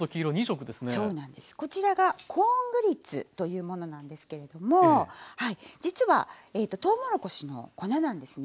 こちらがコーングリッツというものなんですけれども実はとうもろこしの粉なんですね。